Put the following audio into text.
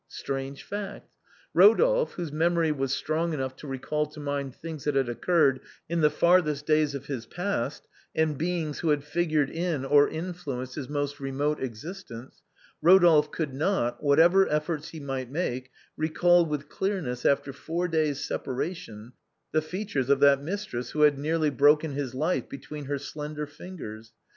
Strange fact; Rodolphe, whose memory was strong enough to recall to mind things that had occurred in the farthest days of his past and beings who had figured in or influenced his most remote existence — Rodolphe could not, whatever efforts he might make, recall with clearness after four days' separation the features of that mistress who had nearly broken his life between her slender fingers.